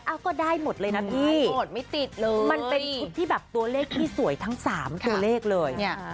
เอ้าก็ได้หมดเลยนะพี่มันเป็นทุกที่แบบตัวเลขที่สวยทั้ง๓ตัวเลขเลย